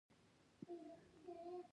مخکې له دې چې پوه شي ورځ پای ته رسیدلې وه